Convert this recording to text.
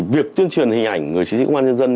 việc tuyên truyền hình ảnh người chiến sĩ công an nhân dân